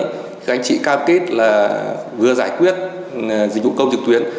các anh chị cam kết là vừa giải quyết dịch vụ công trực tuyến